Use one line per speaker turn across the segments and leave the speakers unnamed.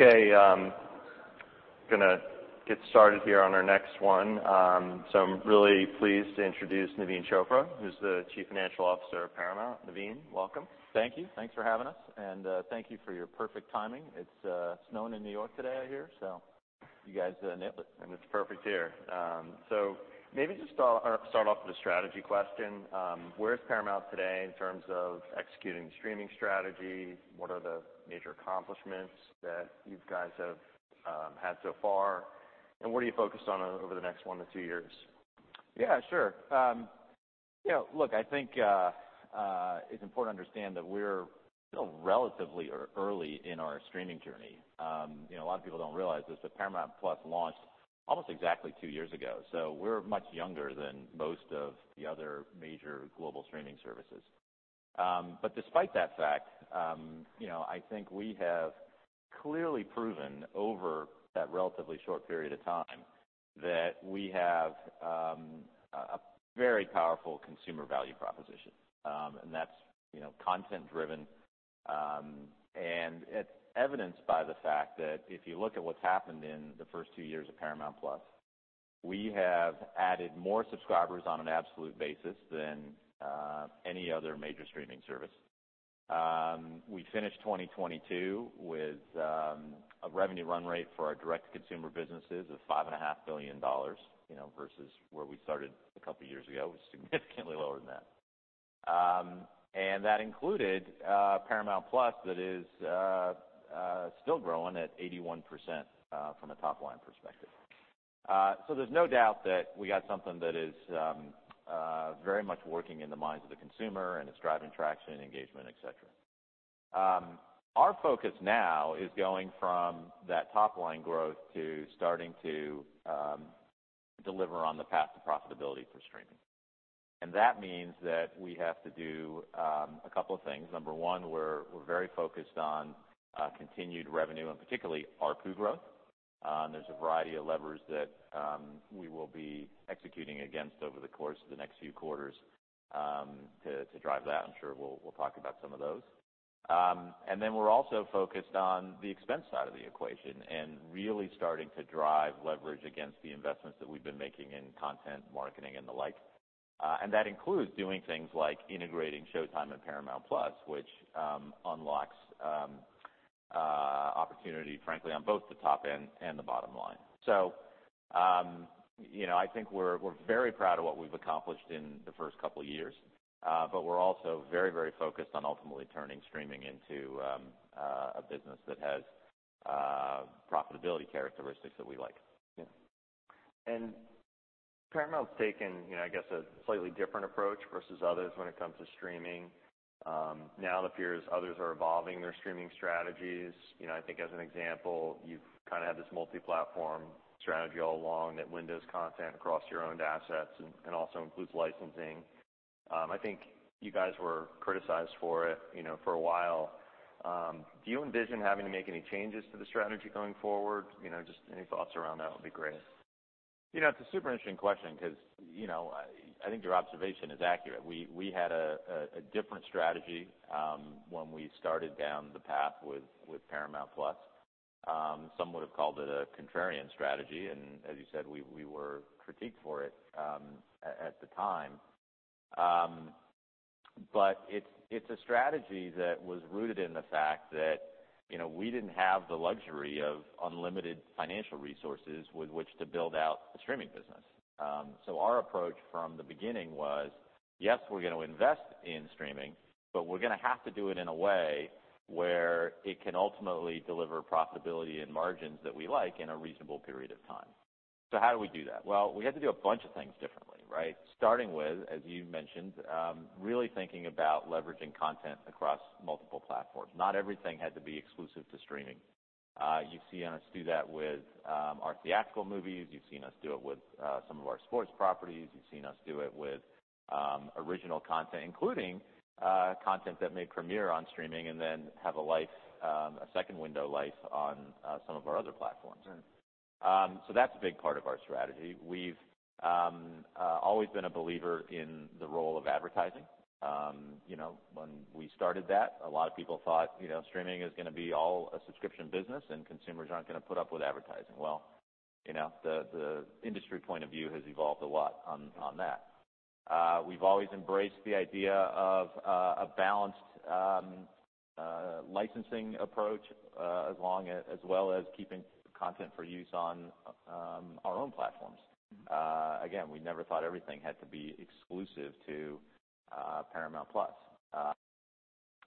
Okay. gonna get started here on our next one. I'm really pleased to introduce Naveen Chopra, who's the Chief Financial Officer of Paramount. Naveen, welcome.
Thank you. Thanks for having us, and thank you for your perfect timing. It's snowing in New York today, I hear, so you guys nailed it.
It's perfect here. Maybe just start off with a strategy question. Where is Paramount today in terms of executing the streaming strategy? What are the major accomplishments that you guys have had so far, and what are you focused on over the next one to two years?
Sure. You know, look, I think it's important to understand that we're still relatively early in our streaming journey. You know, a lot of people don't realize this, but Paramount+ launched almost exactly two years ago. We're much younger than most of the other major global streaming services. Despite that fact, you know, I think we have clearly proven over that relatively short period of time that we have a very powerful consumer value proposition. That's, you know, content driven, and it's evidenced by the fact that if you look at what's happened in the first two years of Paramount+, we have added more subscribers on an absolute basis than any other major streaming service. We finished 2022 with a revenue run rate for our direct-to-consumer businesses of $5.5 billion, you know, versus where we started a couple years ago, was significantly lower than that. That included Paramount+ that is still growing at 81% from a top line perspective. There's no doubt that we got something that is very much working in the minds of the consumer and it's driving traction and engagement, et cetera. Our focus now is going from that top line growth to starting to deliver on the path to profitability for streaming. That means that we have to do a couple of things. Number one, we're very focused on continued revenue and particularly ARPU growth. There's a variety of levers that we will be executing against over the course of the next few quarters to drive that. I'm sure we'll talk about some of those. Then we're also focused on the expense side of the equation and really starting to drive leverage against the investments that we've been making in content marketing and the like. That includes doing things like integrating SHOWTIME and Paramount+, which unlocks opportunity, frankly, on both the top and the bottom line. You know, I think we're very proud of what we've accomplished in the first couple of years, but we're also very focused on ultimately turning streaming into a business that has profitability characteristics that we like.
Yeah. Paramount's taken, you know, I guess a slightly different approach versus others when it comes to streaming. It appears others are evolving their streaming strategies. You know, I think as an example, you've kinda had this multi-platform strategy all along that windows content across your owned assets and also includes licensing. I think you guys were criticized for it, you know, for a while. Do you envision having to make any changes to the strategy going forward? You know, just any thoughts around that would be great.
You know, it's a super interesting question because, you know, I think your observation is accurate. We had a different strategy when we started down the path with Paramount+. Some would have called it a contrarian strategy, as you said, we were critiqued for it at the time. It's a strategy that was rooted in the fact that, you know, we didn't have the luxury of unlimited financial resources with which to build out the streaming business. Our approach from the beginning was, yes, we're gonna invest in streaming, but we're gonna have to do it in a way where it can ultimately deliver profitability and margins that we like in a reasonable period of time. How do we do that? Well, we had to do a bunch of things differently, right? Starting with, as you mentioned, really thinking about leveraging content across multiple platforms. Not everything had to be exclusive to streaming. You've seen us do that with, our theatrical movies. You've seen us do it with, some of our sports properties. You've seen us do it with, original content, including, content that may premiere on streaming and then have a life, a second window life on, some of our other platforms.
Sure.
That's a big part of our strategy. We've always been a believer in the role of advertising. You know, when we started that, a lot of people thought, you know, streaming is gonna be all a subscription business and consumers aren't gonna put up with advertising. You know, the industry point of view has evolved a lot on that. We've always embraced the idea of a balanced licensing approach as well as keeping content for use on our own platforms. Again, we never thought everything had to be exclusive to Paramount+.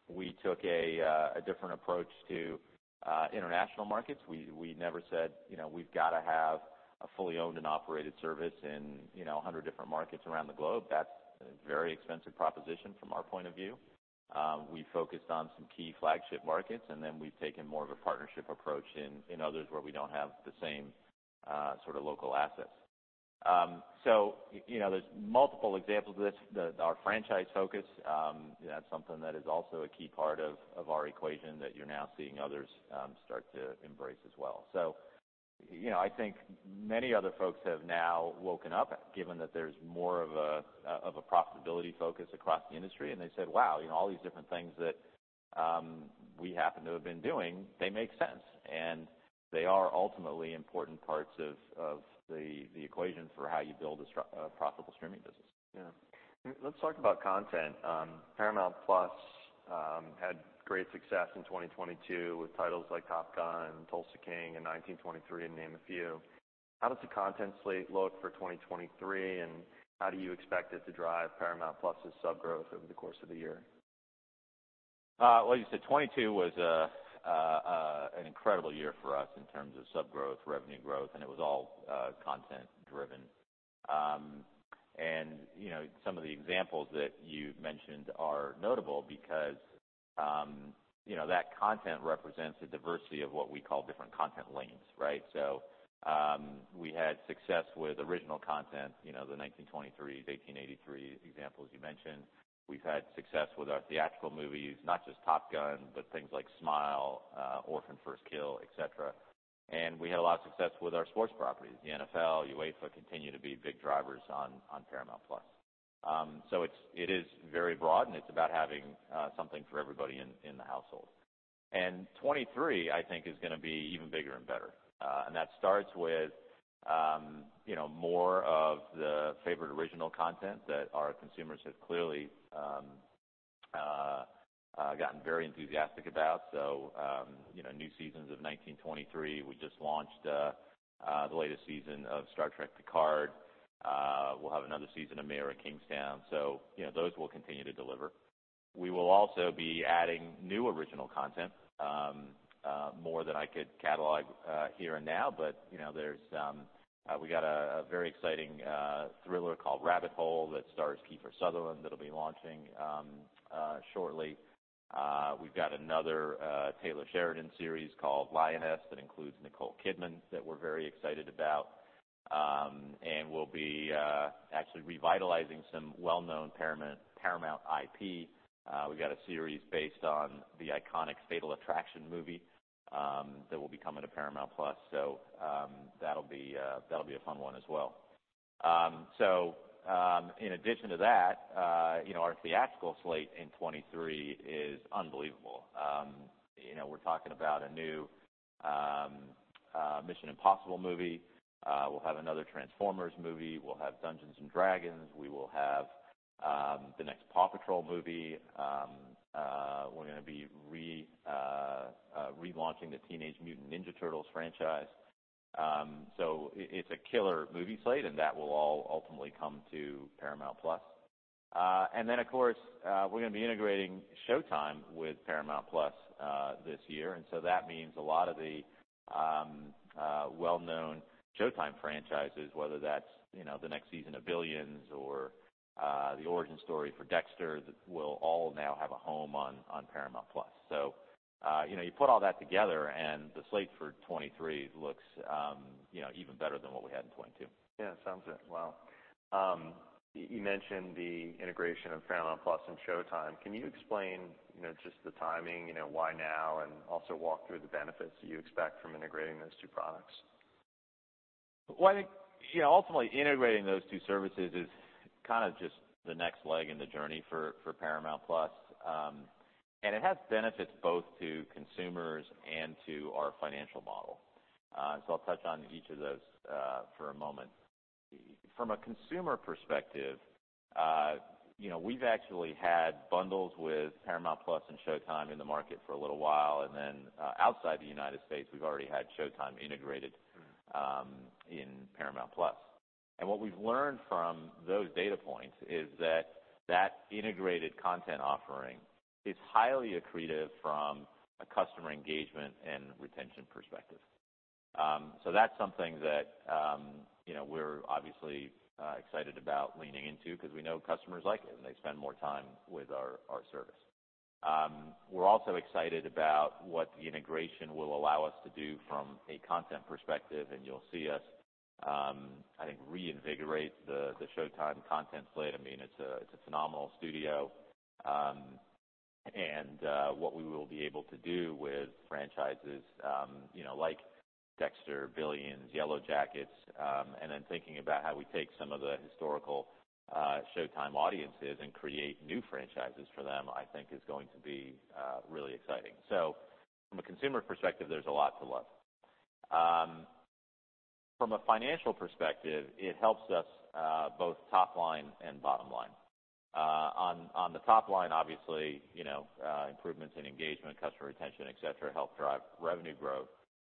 We took a different approach to international markets. We never said, you know, we've gotta have a fully owned and operated service in, you know, 100 different markets around the globe. That's a very expensive proposition from our point of view. We focused on some key flagship markets, and then we've taken more of a partnership approach in others where we don't have the same sort of local assets. You know, there's multiple examples of this. The, our franchise focus, that's something that is also a key part of our equation that you're now seeing others start to embrace as well. You know, I think many other folks have now woken up, given that there's more of a, of a profitability focus across the industry. They said, "Wow, all these different things that we happen to have been doing, they make sense." They are ultimately important parts of the equation for how you build a profitable streaming business.
Yeah. Let's talk about content. Paramount+ had great success in 2022 with titles like Top Gun, Tulsa King, and 1923 to name a few. How does the content slate look for 2023, and how do you expect it to drive Paramount+'s sub growth over the course of the year?
Well, as you said, 2022 was an incredible year for us in terms of sub growth, revenue growth. It was all content-driven. You know, some of the examples that you mentioned are notable because, you know, that content represents a diversity of what we call different content lanes, right? We had success with original content, you know, the 1923, 1883 example, as you mentioned. We've had success with our theatrical movies, not just Top Gun, but things like Smile, Orphan: First Kill, et cetera. We had a lot of success with our sports properties. The NFL, UEFA continue to be big drivers on Paramount+. It's, it is very broad, and it's about having something for everybody in the household. 2023, I think, is gonna be even bigger and better. That starts with, you know, more of the favorite original content that our consumers have clearly gotten very enthusiastic about. You know, new seasons of 1923. We just launched the latest season of Star Trek: Picard. We'll have another season of Mayor of Kingstown, so those will continue to deliver. We will also be adding new original content, more than I could catalog here and now. You know, there's a very exciting thriller called Rabbit Hole that stars Kiefer Sutherland that'll be launching shortly. We've got another Taylor Sheridan series called Lioness that includes Nicole Kidman that we're very excited about. We'll be actually revitalizing some well-known Paramount IP. We've got a series based on the iconic Fatal Attraction movie that will be coming to Paramount+. That'll be a fun one as well. In addition to that, you know, our theatrical slate in 2023 is unbelievable. You know, we're talking about a new Mission: Impossible movie. We'll have another Transformers movie. We'll have Dungeons & Dragons. We will have the next PAW Patrol movie. We're gonna be relaunching the Teenage Mutant Ninja Turtles franchise. It's a killer movie slate, and that will all ultimately come to Paramount+. Of course, we're gonna be integrating SHOWTIME with Paramount+ this year. That means a lot of the well-known SHOWTIME franchises, whether that's, you know, the next season of Billions or the origin story for Dexter, that will all now have a home on Paramount+. You know, you put all that together and the slate for 2023 looks, you know, even better than what we had in 2022.
Yeah, sounds it. Wow. You mentioned the integration of Paramount+ and SHOWTIME. Can you explain, you know, just the timing, you know, why now? Also walk through the benefits you expect from integrating those two products?
Well, I think, you know, ultimately integrating those two services is kind of just the next leg in the journey for Paramount+. It has benefits both to consumers and to our financial model. I'll touch on each of those for a moment. From a consumer perspective, you know, we've actually had bundles with Paramount+ and SHOWTIME in the market for a little while. Then, outside the United States, we've already had SHOWTIME integrated in Paramount Plus
Mm-hmm.
What we've learned from those data points is that that integrated content offering is highly accretive from a customer engagement and retention perspective. That's something that, you know, we're obviously excited about leaning into because we know customers like it, and they spend more time with our service. We're also excited about what the integration will allow us to do from a content perspective, and you'll see us, I think, reinvigorate the SHOWTIME content slate. I mean, it's a phenomenal studio. What we will be able to do with franchises, you know, like Dexter, Billions, Yellowjackets, and then thinking about how we take some of the historical SHOWTIME audiences and create new franchises for them, I think is going to be really exciting. From a consumer perspective, there's a lot to love. From a financial perspective, it helps us both top line and bottom line. On the top line, obviously, you know, improvements in engagement, customer retention, et cetera, help drive revenue growth,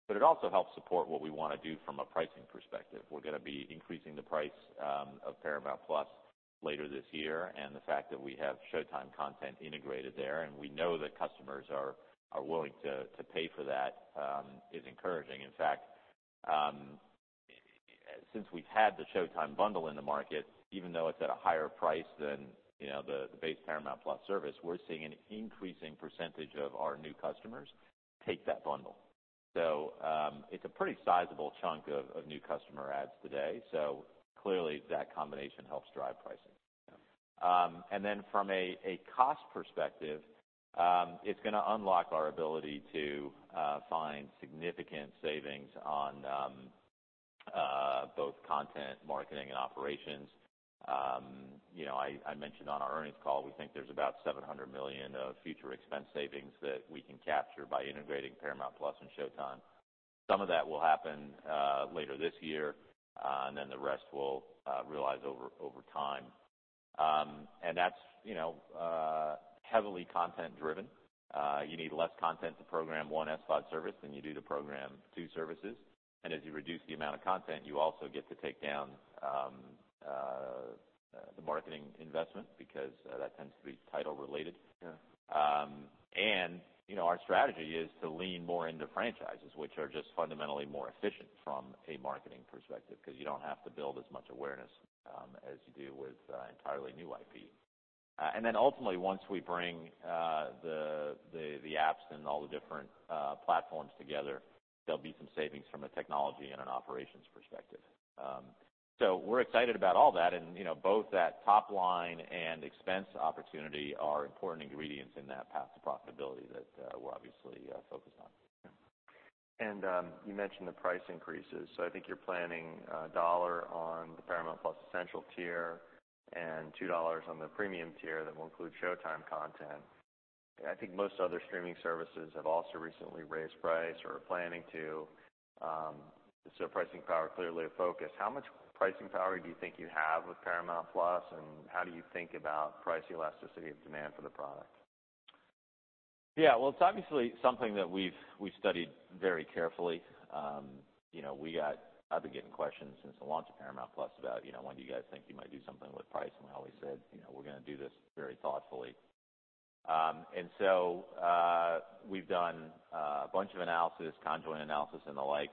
but it also helps support what we wanna do from a pricing perspective. We're gonna be increasing the price of Paramount+ later this year. The fact that we have SHOWTIME content integrated there, and we know that customers are willing to pay for that is encouraging. In fact, since we've had the SHOWTIME bundle in the market, even though it's at a higher price than, you know, the base Paramount+ service, we're seeing an increasing percentage of our new customers take that bundle. It's a pretty sizable chunk of new customer adds today. Clearly, that combination helps drive pricing. Then from a cost perspective, it's gonna unlock our ability to find significant savings on both content marketing and operations. You know, I mentioned on our earnings call, we think there's about $700 million of future expense savings that we can capture by integrating Paramount+ and SHOWTIME. Some of that will happen later this year, then the rest we'll realize over time. That's, you know, heavily content driven. You need less content to program one SVOD service than you do to program two services. As you reduce the amount of content, you also get to take down the marketing investment because that tends to be title related.
Yeah.
You know, our strategy is to lean more into franchises which are just fundamentally more efficient from a marketing perspective because you don't have to build as much awareness as you do with entirely new IP. Ultimately, once we bring the apps and all the different platforms together, there'll be some savings from a technology and an operations perspective. We're excited about all that. You know, both that top line and expense opportunity are important ingredients in that path to profitability that we're obviously focused on.
You mentioned the price increases. I think you're planning $1 on the Paramount+ essential tier and $2 on the premium tier that will include SHOWTIME content. I think most other streaming services have also recently raised price or are planning to. Pricing power clearly a focus. How much pricing power do you think you have with Paramount+ and how do you think about price elasticity of demand for the product?
Yeah. Well, it's obviously something that we've studied very carefully. You know, I've been getting questions since the launch of Paramount+ about, you know, when do you guys think you might do something with price? We always said, you know, we're gonna do this very thoughtfully. We've done a bunch of analysis, conjoint analysis and the like,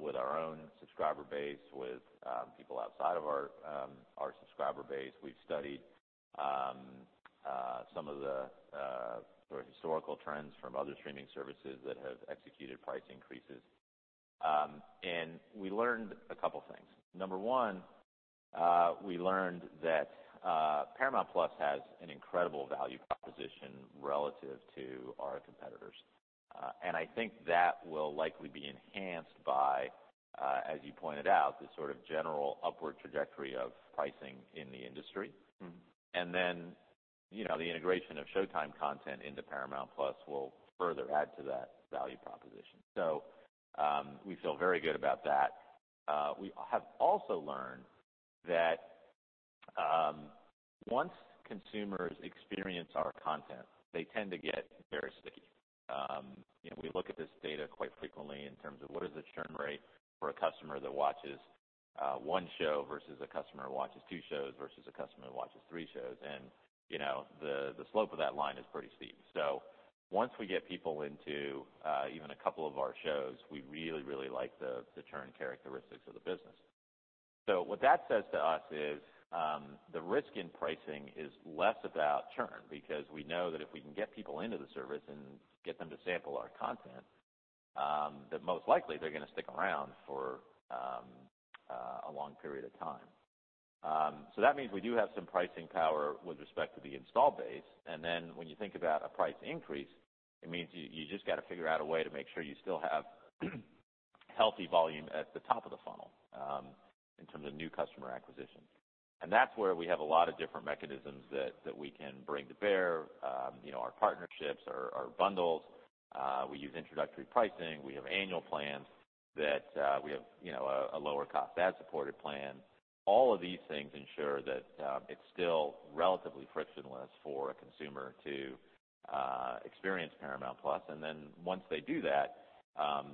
with our own subscriber base, with people outside of our subscriber base. We've studied some of the sort of historical trends from other streaming services that have executed price increases. We learned a couple things. Number one, we learned that Paramount+ has an incredible value proposition relative to our competitors. I think that will likely be enhanced by, as you pointed out, the sort of general upward trajectory of pricing in the industry.
Mm-hmm.
You know, the integration of SHOWTIME content into Paramount+ will further add to that value proposition. We feel very good about that. We have also learned that once consumers experience our content, they tend to get very sticky. You know, we look at this data quite frequently in terms of what is the churn rate for a customer that watches one show versus a customer who watches two shows versus a customer who watches three shows. You know, the slope of that line is pretty steep. Once we get people into even a couple of our shows, we really, really like the churn characteristics of the business. What that says to us is, the risk in pricing is less about churn, because we know that if we can get people into the service and get them to sample our content, that most likely they're gonna stick around for a long period of time. That means we do have some pricing power with respect to the install base. When you think about a price increase, it means you just gotta figure out a way to make sure you still have healthy volume at the top of the funnel, in terms of new customer acquisition. That's where we have a lot of different mechanisms that we can bring to bear, you know, our partnerships, our bundles. We use introductory pricing. We have annual plans that we have, you know, a lower cost ad-supported plan. All of these things ensure that it's still relatively frictionless for a consumer to experience Paramount+. Once they do that,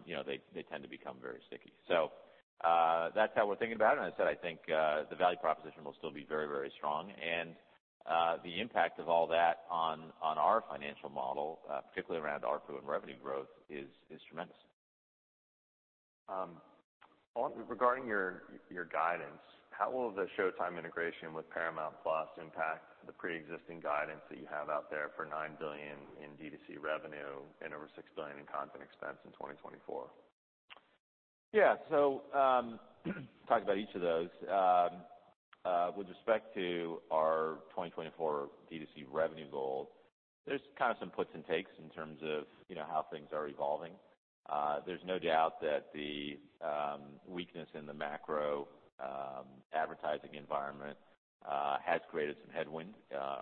you know, they tend to become very sticky. That's how we're thinking about it. I said, I think, the value proposition will still be very, very strong. The impact of all that on our financial model, particularly around ARPU and revenue growth, is tremendous.
Regarding your guidance, how will the SHOWTIME integration with Paramount+ impact the preexisting guidance that you have out there for $9 billion in D2C revenue and over $6 billion in content expense in 2024?
Yeah. Talk about each of those. With respect to our 2024 D2C revenue goal, there's kind of some puts and takes in terms of, you know, how things are evolving. There's no doubt that the weakness in the macro advertising environment has created some headwind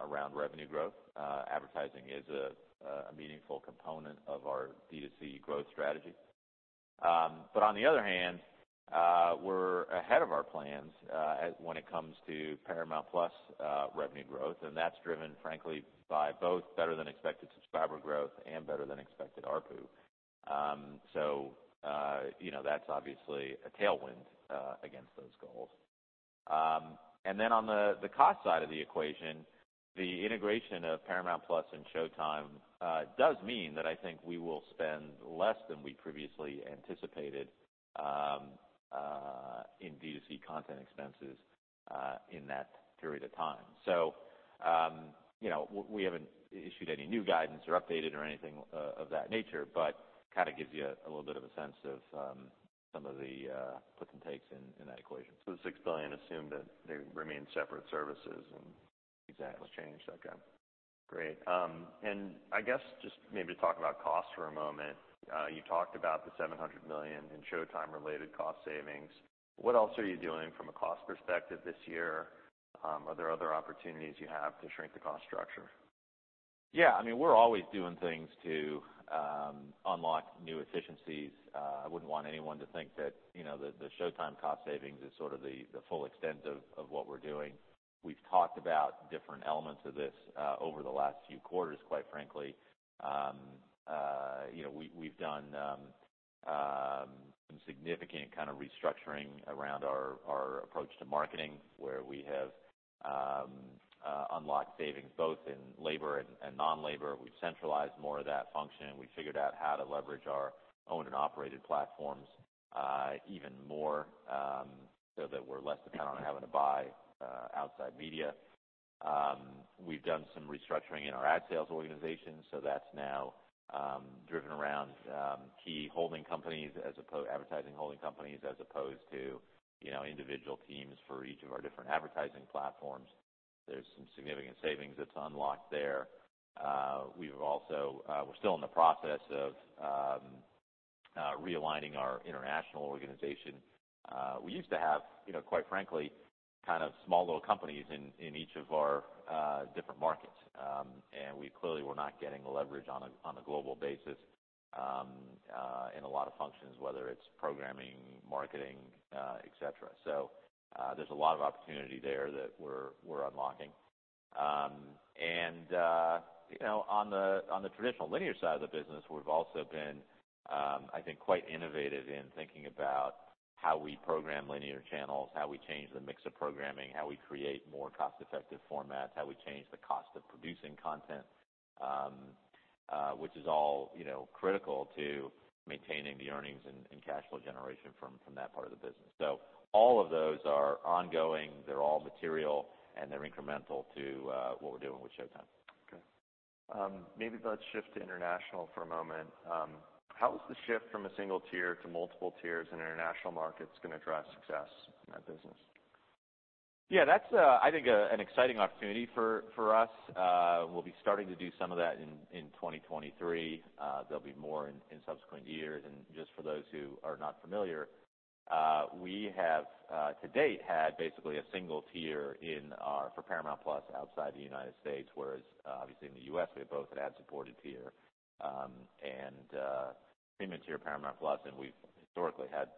around revenue growth. Advertising is a meaningful component of our D2C growth strategy. On the other hand, we're ahead of our plans when it comes to Paramount+ revenue growth, and that's driven, frankly, by both better than expected subscriber growth and better than expected ARPU. You know, that's obviously a tailwind against those goals. On the cost side of the equation, the integration of Paramount+ and SHOWTIME does mean that I think we will spend less than we previously anticipated in D2C content expenses in that period of time. You know, we haven't issued any new guidance or updated or anything of that nature, but kind of gives you a little bit of a sense of some of the puts and takes in that equation.
The $6 billion assume that they remain separate services.
Exactly.
Great. I guess just maybe talk about cost for a moment. You talked about the $700 million in Showtime related cost savings. What else are you doing from a cost perspective this year? Are there other opportunities you have to shrink the cost structure?
Yeah. I mean, we're always doing things to unlock new efficiencies. I wouldn't want anyone to think that, you know, the SHOWTIME cost savings is sort of the full extent of what we're doing. We've talked about different elements of this over the last few quarters, quite frankly. You know, we've done some significant kind of restructuring around our approach to marketing, where we have unlocked savings both in labor and non-labor. We've centralized more of that function. We figured out how to leverage our owned and operated platforms even more, so that we're less dependent on having to buy outside media. We've done some restructuring in our ad sales organization, so that's now driven around key holding companies, advertising holding companies, as opposed to, you know, individual teams for each of our different advertising platforms. There's some significant savings that's unlocked there. We've also. We're still in the process of realigning our international organization. We used to have, you know, quite frankly, kind of small, little companies in each of our different markets. We clearly were not getting the leverage on a global basis in a lot of functions, whether it's programming, marketing, et cetera. There's a lot of opportunity there that we're unlocking. You know, on the, on the traditional linear side of the business, we've also been, I think, quite innovative in thinking about how we program linear channels, how we change the mix of programming, how we create more cost-effective formats, how we change the cost of producing content, which is all, you know, critical to maintaining the earnings and cash flow generation from that part of the business. All of those are ongoing, they're all material, and they're incremental to what we're doing with SHOWTIME.
Maybe let's shift to international for a moment. How is the shift from a single tier to multiple tiers in international markets gonna drive success in that business?
Yeah, that's, I think, an exciting opportunity for us. We'll be starting to do some of that in 2023. There'll be more in subsequent years. Just for those who are not familiar, we have to date, had basically a single tier for Paramount+ outside the United States, whereas obviously in the U.S., we have both an ad-supported tier and premium tier Paramount+, and we've historically had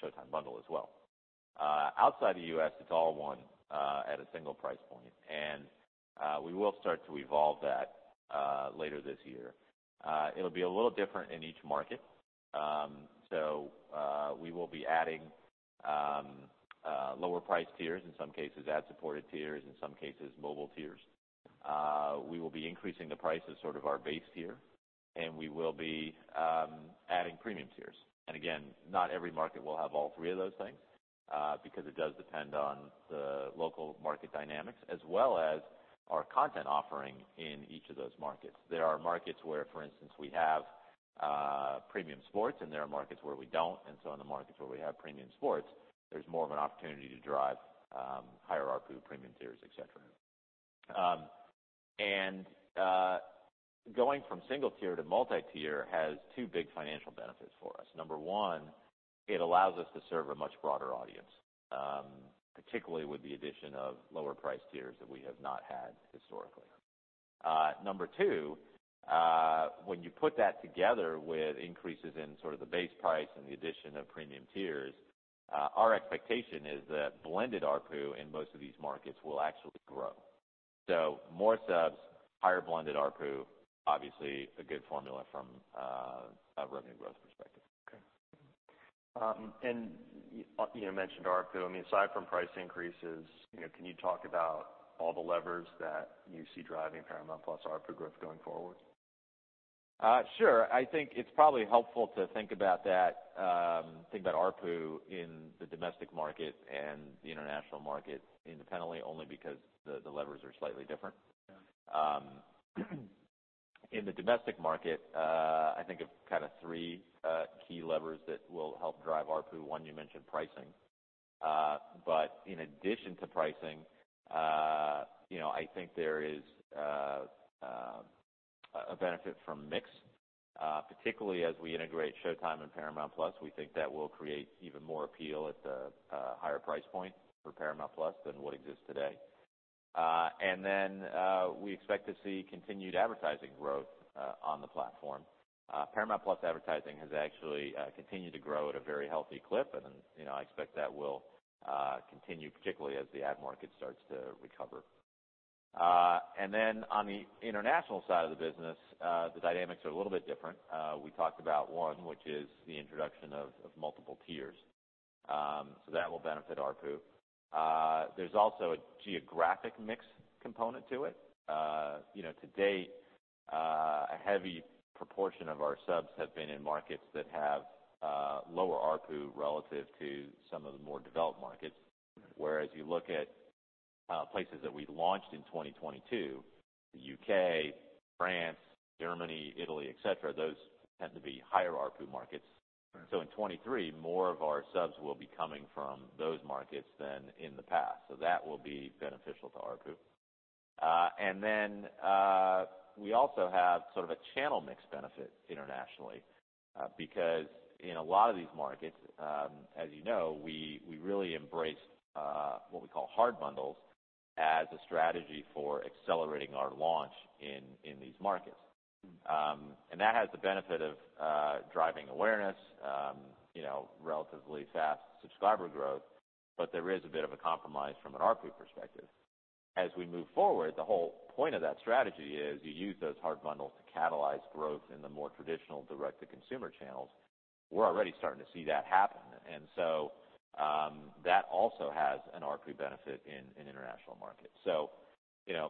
SHOWTIME bundle as well. Outside the U.S., it's all one at a single price point. We will start to evolve that later this year. It'll be a little different in each market. We will be adding lower priced tiers, in some cases ad-supported tiers, in some cases mobile tiers. We will be increasing the price of sort of our base tier, and we will be adding premium tiers. Again, not every market will have all three of those things, because it does depend on the local market dynamics as well as our content offering in each of those markets. There are markets where, for instance, we have premium sports, and there are markets where we don't, and so in the markets where we have premium sports, there's more of an opportunity to drive higher ARPU premium tiers, et cetera. Going from single tier to multi-tier has two big financial benefits for us. Number one, it allows us to serve a much broader audience, particularly with the addition of lower priced tiers that we have not had historically. Number two, when you put that together with increases in sort of the base price and the addition of premium tiers, our expectation is that blended ARPU in most of these markets will actually grow. More subs, higher blended ARPU, obviously a good formula from a revenue growth perspective.
Okay. You mentioned ARPU. I mean, aside from price increases, you know, can you talk about all the levers that you see driving Paramount+ ARPU growth going forward?
Sure. I think it's probably helpful to think about that, think about ARPU in the domestic market and the international market independently, only because the levers are slightly different.
Yeah.
In the domestic market, I think of kind of three key levers that will help drive ARPU. One, you mentioned pricing. In addition to pricing, you know, I think there is a benefit from mix, particularly as we integrate SHOWTIME and Paramount+. We think that will create even more appeal at the higher price point for Paramount+ than what exists today. Then, we expect to see continued advertising growth on the platform. Paramount+ advertising has actually continued to grow at a very healthy clip and, you know, I expect that will continue, particularly as the ad market starts to recover. Then on the international side of the business, the dynamics are a little bit different. We talked about one, which is the introduction of multiple tiers. That will benefit ARPU. There's also a geographic mix component to it. You know, to date, a heavy proportion of our subs have been in markets that have lower ARPU relative to some of the more developed markets. Whereas you look at places that we launched in 2022, the U.K., France, Germany, Italy, et cetera, those tend to be higher ARPU markets.
Mm-hmm.
In 2023, more of our subs will be coming from those markets than in the past. That will be beneficial to ARPU. Then, we also have sort of a channel mix benefit internationally, because in a lot of these markets, as you know, we really embraced, what we call hard bundles as a strategy for accelerating our launch in these markets.
Mm-hmm.
That has the benefit of, you know, relatively fast subscriber growth, but there is a bit of a compromise from an ARPU perspective. As we move forward, the whole point of that strategy is you use those hard bundles to catalyze growth in the more traditional direct-to-consumer channels. We're already starting to see that happen. That also has an ARPU benefit in international markets.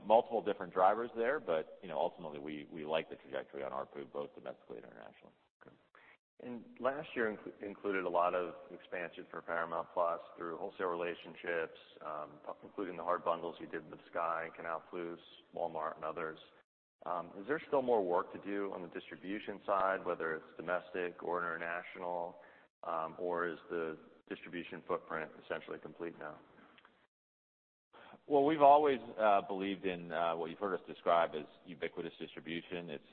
Multiple different drivers there, but you know, ultimately we like the trajectory on ARPU, both domestically and internationally.
Okay. Last year included a lot of expansion for Paramount+ through wholesale relationships, including the hard bundles you did with Sky, Canal+, Walmart, and others. Is there still more work to do on the distribution side, whether it's domestic or international, or is the distribution footprint essentially complete now?
Well, we've always believed in what you've heard us describe as ubiquitous distribution. It's,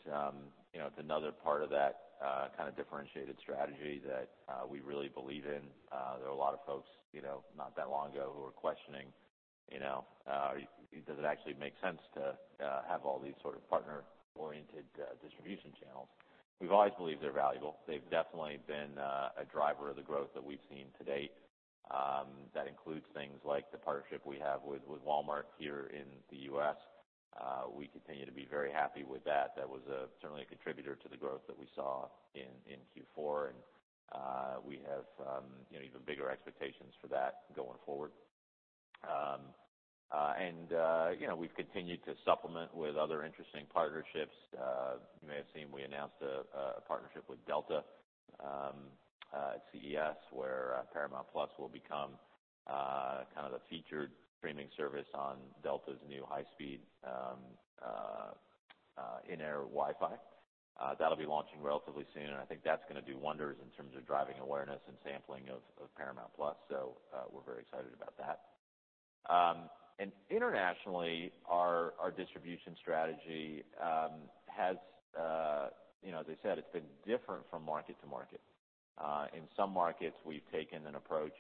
you know, another part of that kinda differentiated strategy that we really believe in. There are a lot of folks, you know, not that long ago who were questioning, you know, does it actually make sense to have all these sort of partner-oriented distribution channels? We've always believed they're valuable. They've definitely been a driver of the growth that we've seen to date. That includes things like the partnership we have with Walmart here in the U.S. We continue to be very happy with that. That was certainly a contributor to the growth that we saw in Q4, and we have, you know, even bigger expectations for that going forward. You know, we've continued to supplement with other interesting partnerships. You may have seen we announced a partnership with Delta at CES, where Paramount+ will become kind of the featured streaming service on Delta's new high-speed in-air Wi-Fi. That'll be launching relatively soon, I think that's gonna do wonders in terms of driving awareness and sampling of Paramount+. We're very excited about that. Internationally, our distribution strategy has, you know, as I said, it's been different from market to market. In some markets, we've taken an approach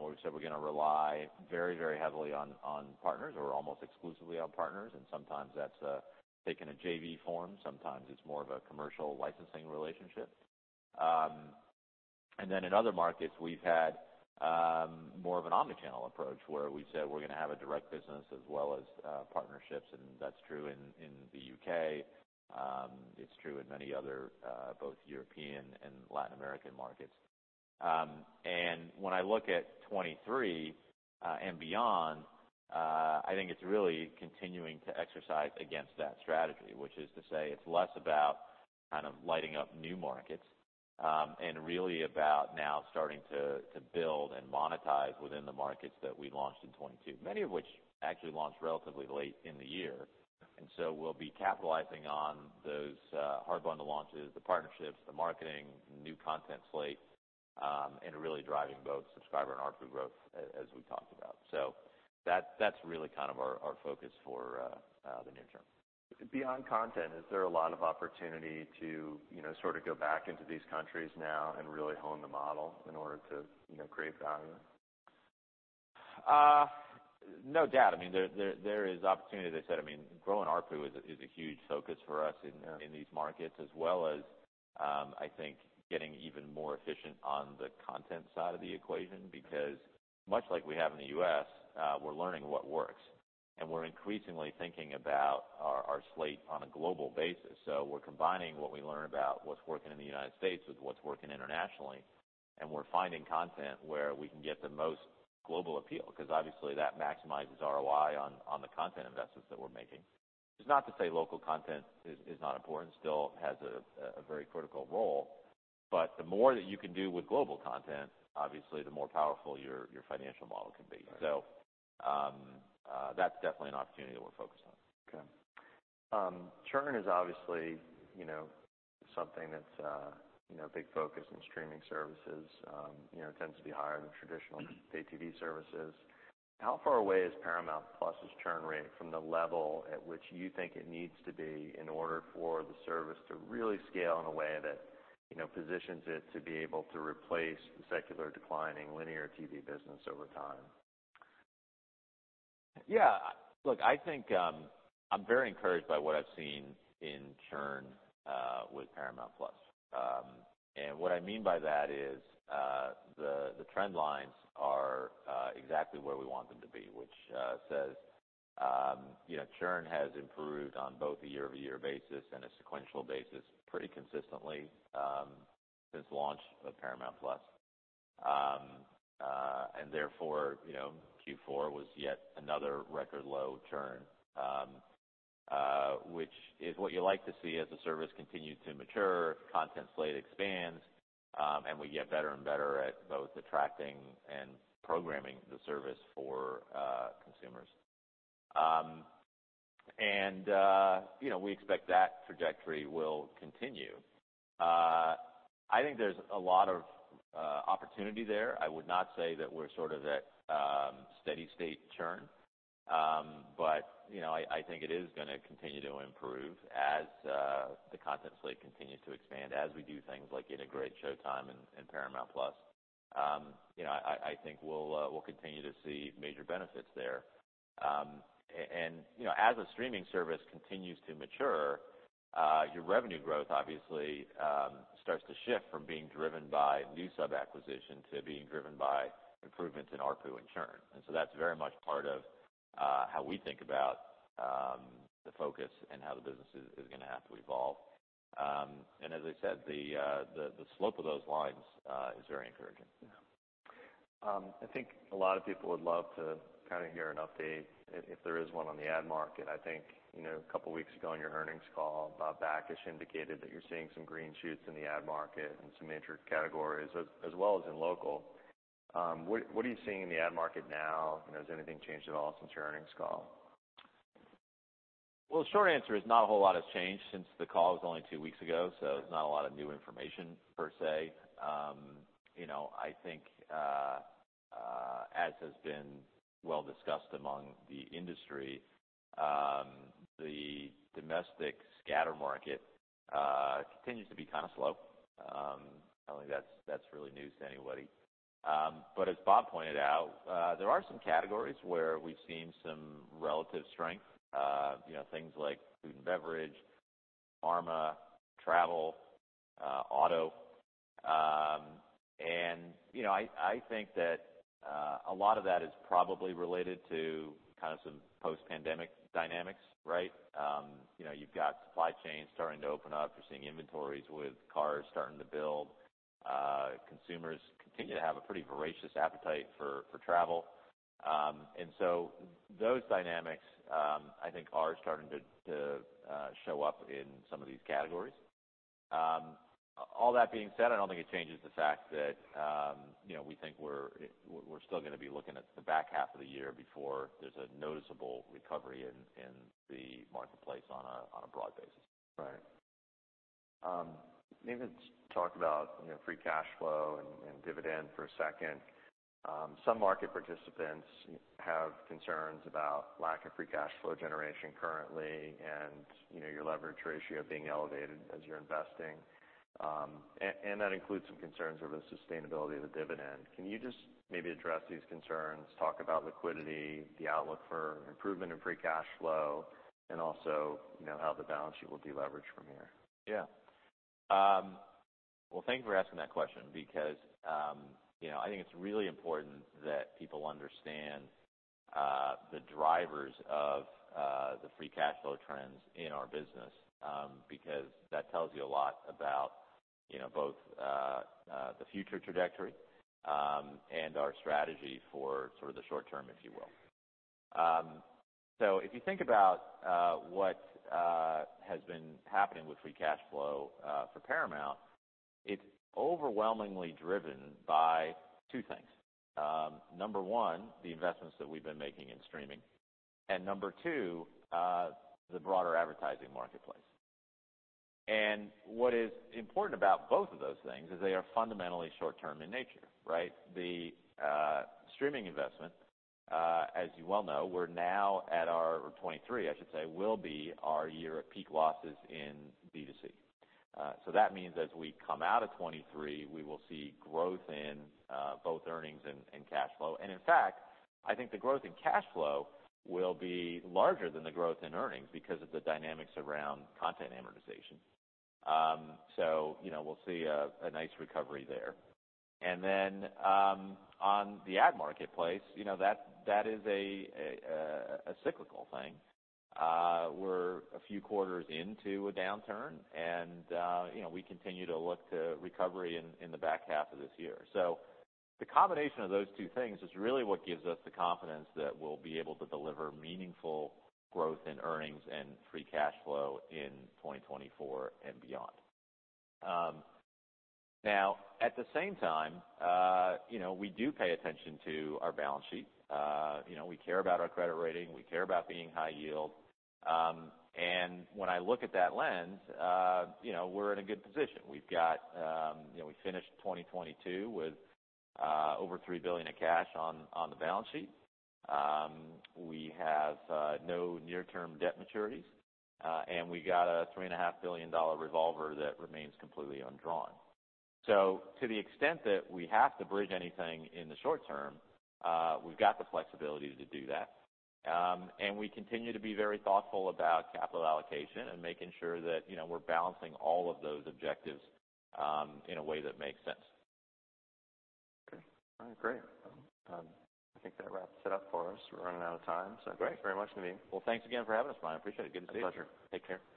where we said we're gonna rely very heavily on partners or almost exclusively on partners, sometimes that's taken a JV form. Sometimes it's more of a commercial licensing relationship. In other markets, we've had more of an omni-channel approach, where we said we're gonna have a direct business as well as partnerships, and that's true in the U.K. It's true in many other, both European and Latin American markets. When I look at 2023 and beyond, I think it's really continuing to exercise against that strategy, which is to say it's less about kind of lighting up new markets, and really about now starting to build and monetize within the markets that we launched in 2022, many of which actually launched relatively late in the year.
Sure.
We'll be capitalizing on those, hard bundle launches, the partnerships, the marketing, new content slate, and really driving both subscriber and ARPU growth as we talked about. That's really kind of our focus for the near term.
Beyond content, is there a lot of opportunity to, you know, sort of go back into these countries now and really hone the model in order to, you know, create value?
No doubt. I mean, there is opportunity, as I said. I mean, growing ARPU is a huge focus for us.
Yeah
In these markets, as well as, I think getting even more efficient on the content side of the equation.
Okay.
Because much like we have in the U.S., we're learning what works, and we're increasingly thinking about our slate on a global basis. We're combining what we learn about what's working in the United States with what's working internationally, and we're finding content where we can get the most global appeal because obviously that maximizes ROI on the content investments that we're making. It's not to say local content is not important. Still has a very critical role. The more that you can do with global content, obviously, the more powerful your financial model can be.
Right.
That's definitely an opportunity that we're focused on.
Churn is obviously, you know, something that's, you know, a big focus in streaming services. You know, it tends to be higher than traditional pay TV services. How far away is Paramount+'s churn rate from the level at which you think it needs to be in order for the service to really scale in a way that, you know, positions it to be able to replace the secular declining linear TV business over time?
Yeah. Look, I think, I'm very encouraged by what I've seen in churn with Paramount+. What I mean by that is, the trend lines are exactly where we want them to be, which says, you know, churn has improved on both a year-over-year basis and a sequential basis pretty consistently since launch of Paramount+. Therefore, you know, Q4 was yet another record low churn, which is what you like to see as the service continued to mature, content slate expands, and we get better and better at both attracting and programming the service for consumers. You know, we expect that trajectory will continue. I think there's a lot of opportunity there. I would not say that we're sort of at steady state churn. You know, I think it is going to continue to improve as the content slate continues to expand as we do things like integrate SHOWTIME and Paramount+. You know, I think we'll continue to see major benefits there. You know, as a streaming service continues to mature, your revenue growth obviously starts to shift from being driven by new sub-acquisition to being driven by improvements in ARPU and churn. That's very much part of how we think about the focus and how the business is gonna have to evolve. As I said, the slope of those lines is very encouraging.
Yeah. I think a lot of people would love to kinda hear an update if there is one on the ad market. I think, you know, a couple of weeks ago on your earnings call, Bob Bakish indicated that you're seeing some green shoots in the ad market and some major categories as well as in local. What are you seeing in the ad market now? Has anything changed at all since your earnings call?
The short answer is not a whole lot has changed since the call. It was only two weeks ago, so there's not a lot of new information per se. You know, I think, as has been well discussed among the industry, the domestic scatter market continues to be kinda slow. I don't think that's really news to anybody. As Bob pointed out, there are some categories where we've seen some relative strength, you know, things like food and beverage, pharma, travel, auto. You know, I think that a lot of that is probably related to kind of some post-pandemic dynamics, right? You know, you've got supply chains starting to open up. You're seeing inventories with cars starting to build. Consumers continue to have a pretty voracious appetite for travel. Those dynamics, I think are starting to show up in some of these categories. All that being said, I don't think it changes the fact that, you know, we think we're still gonna be looking at the back half of the year before there's a noticeable recovery in the marketplace on a broad basis.
Right. maybe let's talk about, you know, free cash flow and dividend for a second. Some market participants have concerns about lack of free cash flow generation currently and, you know, your leverage ratio being elevated as you're investing. That includes some concerns over the sustainability of the dividend. Can you just maybe address these concerns, talk about liquidity, the outlook for improvement in free cash flow, and also, you know, how the balance sheet will de-leverage from here?
Yeah. Well, thank you for asking that question because, you know, I think it's really important that people understand the drivers of the free cash flow trends in our business, because that tells you a lot about, you know, both the future trajectory, and our strategy for sort of the short term, if you will. If you think about what has been happening with free cash flow for Paramount, it's overwhelmingly driven by two things. Number one, the investments that we've been making in streaming, and number two, the broader advertising marketplace. What is important about both of those things is they are fundamentally short term in nature, right? The streaming investment, as you well know, we're now at our or 2023, I should say, will be our year of peak losses in B2C. That means as we come out of 2023, we will see growth in both earnings and cash flow. In fact, I think the growth in cash flow will be larger than the growth in earnings because of the dynamics around content amortization. You know, we'll see a nice recovery there. On the ad marketplace, you know, that is a cyclical thing. We're a few quarters into a downturn and, you know, we continue to look to recovery in the back half of this year. The combination of those two things is really what gives us the confidence that we'll be able to deliver meaningful growth in earnings and free cash flow in 2024 and beyond. Now, at the same time, you know, we do pay attention to our balance sheet. You know, we care about our credit rating. We care about being high yield. When I look at that lens, you know, we're in a good position. We've got, you know, we finished 2022 with over $3 billion in cash on the balance sheet. We have no near-term debt maturities, and we got a $3.5 billion revolver that remains completely undrawn. To the extent that we have to bridge anything in the short term, we've got the flexibility to do that. We continue to be very thoughtful about capital allocation and making sure that, you know, we're balancing all of those objectives in a way that makes sense.
Okay. All right, great. I think that wraps it up for us. We're running out of time.
Great.
Thanks very much, Naveen.
Well, thanks again for having us, Brian. Appreciate it. Good to see you.
My pleasure. Take care.